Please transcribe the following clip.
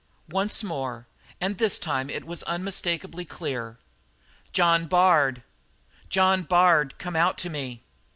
Once more, and this time it was unmistakably clear: "John Bard, John Bard, come out to me!"